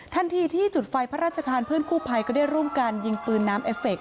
ทันทีที่จุดไฟพระราชทานเพื่อนกู้ภัยก็ได้ร่วมกันยิงปืนน้ำเอฟเค